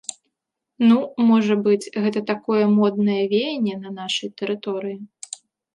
Ну, можа быць, гэта такое моднае веянне на нашай тэрыторыі?!